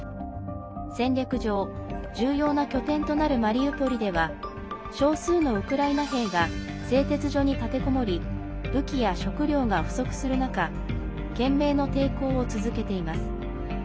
戦略上、重要な拠点となるマリウポリでは少数のウクライナ兵が製鉄所に立てこもり武器や食料が不足する中懸命の抵抗を続けています。